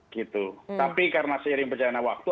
gitu tapi karena seiring berjalannya waktu